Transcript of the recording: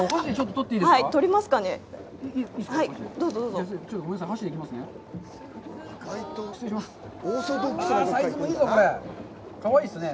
取りますかね。